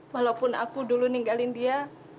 walaupun aku dulu ninggalin dia